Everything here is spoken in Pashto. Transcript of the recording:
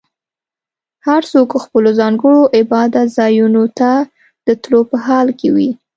هر څوک خپلو ځانګړو عبادت ځایونو ته د تلو په حال کې وي.